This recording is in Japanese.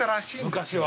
昔は。